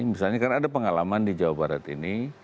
misalnya kan ada pengalaman di jawa barat ini